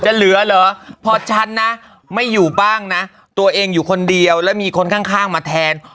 เหลือเหรอพอฉันนะไม่อยู่บ้างนะตัวเองอยู่คนเดียวแล้วมีคนข้างมาแทน